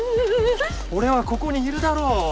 俺はここにいるだろう。